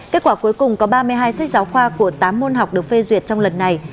kết quả cuối cùng có ba mươi hai sách giáo khoa của tám môn học được phê duyệt trong lần này